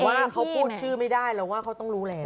ว่าเขาพูดชื่อไม่ได้เราว่าเขาต้องรู้แล้ว